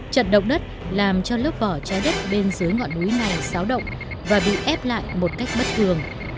trận động đất làm cho lớp vỏ trái đất bên dưới ngọn núi này xáo động và bị ép lại một cách bất thường